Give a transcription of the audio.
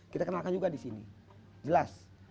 kita kenalkan juga di sini jelas